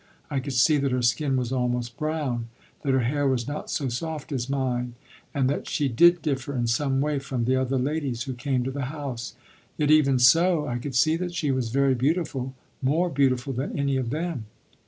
I could see that her skin was almost brown, that her hair was not so soft as mine, and that she did differ in some way from the other ladies who came to the house; yet, even so, I could see that she was very beautiful, more beautiful than any of them.